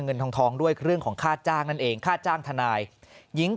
เงินทองด้วยเรื่องของค่าจ้างนั่นเองค่าจ้างทนายหญิง